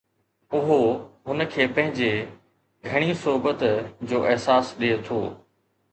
اهو هن کي پنهنجي گهڻي صحبت جو احساس ڏئي ٿو